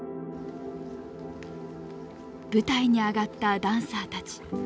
舞台に上がったダンサーたち。